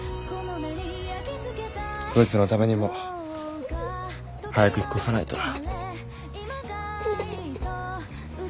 こいつのためにも早く引っ越さないとな。